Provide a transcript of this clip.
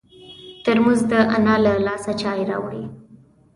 ترموز د انا له لاسه چای راوړي.